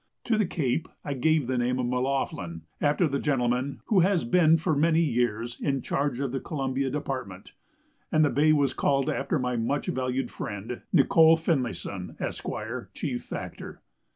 To the cape I gave the name of M'Loughlin, after the gentleman who has been for many years in charge of the Columbia department, and the bay was called after my much valued friend Nicol Finlayson, Esq., Chief Factor.